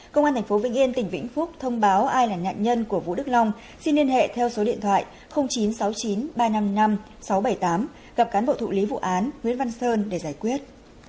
công an tp vĩnh yên tỉnh vĩnh phúc thông báo ai là nạn nhân của vũ đức long xin liên hệ theo số điện thoại chín trăm sáu mươi chín ba trăm năm mươi năm sáu trăm bảy mươi tám gặp cán bộ thụ lý vụ án nguyễn văn sơn để giải quyết